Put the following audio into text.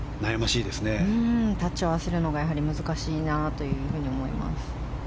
タッチを合わせるのが難しいなと思います。